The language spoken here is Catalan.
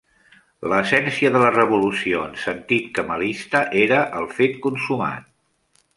L'essència de la revolució, en sentit kemalista, era el fet consumat.